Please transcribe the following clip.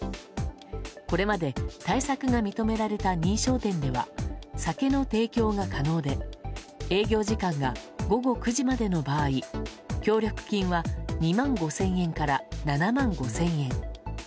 これまで対策が認められた認証店には酒の提供が可能で営業時間が午後９時までの場合協力金は、２万５０００円から７万５０００円。